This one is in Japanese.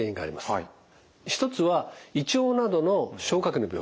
一つは胃腸などの消化器の病気。